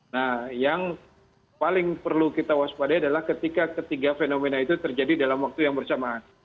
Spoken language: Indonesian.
nah yang paling perlu kita waspadai adalah ketika ketiga fenomena itu terjadi dalam waktu yang bersamaan